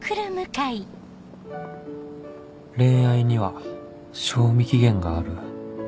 恋愛には賞味期限がある